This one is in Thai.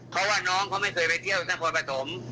เพราะว่าน้องเขาไม่เคยไปเที่ยวนครปฐม